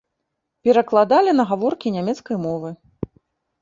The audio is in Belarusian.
Перакладалі на гаворкі нямецкай мовы.